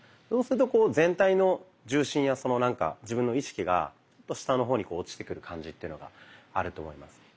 そうするとこう全体の重心やそのなんか自分の意識が下の方に落ちてく感じというのがあると思います。